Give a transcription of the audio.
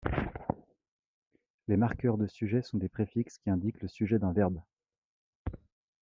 Les marqueurs de sujet sont des préfixes qui indiquent le sujet d’un verbe.